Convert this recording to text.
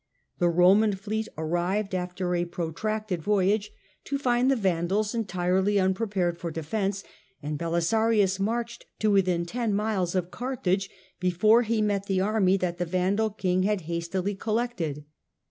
The Roman fleet arrived, after a protracted voyage, to find the Vandals entirely unprepared for defence, and Belisarius marched to within ten miles of Carthage before he met the army that the Vandal king had hastily collected.